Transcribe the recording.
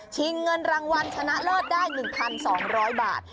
เงินรางวัลชนะเลิศได้๑๒๐๐บาท